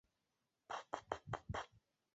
苗栗丽花介为粗面介科丽花介属下的一个种。